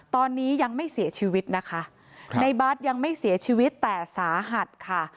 ตอนนี้ยังไม่เสียชีวิตนะคะในบาร์ดยังไม่เสียชีวิตแต่สาหัสค่ะ